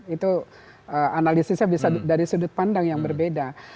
itu analisisnya bisa dari sudut pandang yang berbeda